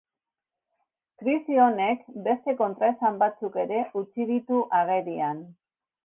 Krisi honek beste kontraesan batzuk ere utzi ditu agerian.